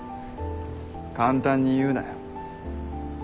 簡単に言うなよ。